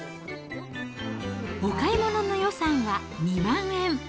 お買い物の予算は２万円。